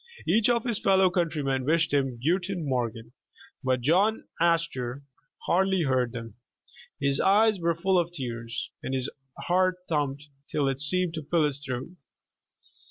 Each of his fellow eountr^^men wished him "Guten Morgen," but John Astor hardly heard them. His eyes were full of tears, and his heart thumped till it seemed to fill his throat.